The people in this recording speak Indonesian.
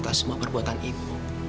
semua perbuatan ibu